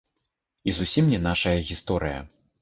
І зусім не нашая гісторыя.